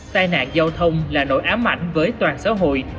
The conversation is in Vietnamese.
tai nạn giao thông là nỗi ám ảnh với toàn xã hội